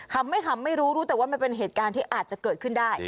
ไม่ขำไม่รู้รู้แต่ว่ามันเป็นเหตุการณ์ที่อาจจะเกิดขึ้นได้